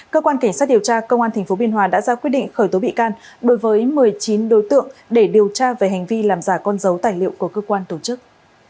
cơ quan cảnh sát điều tra công an tp biên hòa đã ra quyết định khởi tố bị can đối với một mươi chín đối tượng để điều tra về hành vi làm giả con dấu tài liệu của cơ quan tổ chức